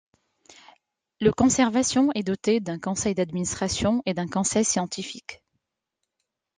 Le Conservation est doté d'un conseil d'administration et d'un conseil scientifique.